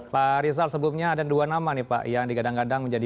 pak rizal sebelumnya ada dua nama nih pak yang digadang gadang menjadi